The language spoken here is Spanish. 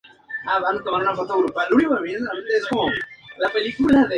El batallón se unió a la División del Miño.